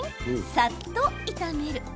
さっと炒める。